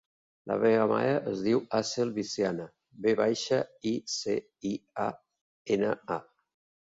La meva mare es diu Aseel Viciana: ve baixa, i, ce, i, a, ena, a.